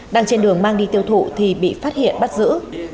đang trên đường mang đi tiêu thụ thì bị phát hiện bắt giữ